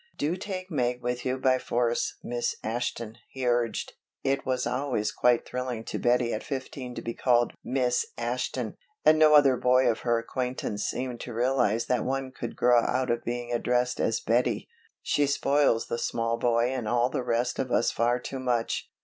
"Do take Meg with you by force, Miss Ashton," he urged. (It was always quite thrilling to Betty at fifteen to be called "Miss Ashton," and no other boy of her acquaintance seemed to realize that one could grow out of being addressed as "Betty".) "She spoils the small boy and all the rest of us far too much.